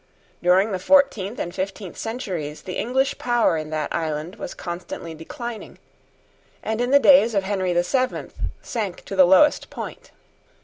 During the fourteenth and fifteenth centuries the English power in that island was constantly declining, and in the days of Henry the Seventh, sank to the lowest point.